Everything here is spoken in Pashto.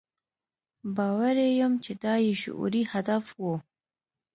باوري یم چې دا یې شعوري هدف و.